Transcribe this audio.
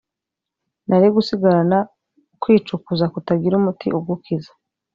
nari gusigarana ukwicuzakutagira umuti ugukiza